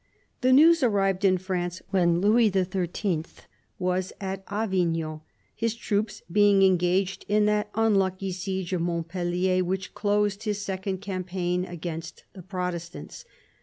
The news arrived in France when Louis XIII. was at Avignon, his troops being engaged in that unlucky siege of Montpellier which closed his second campaign against the Protestants.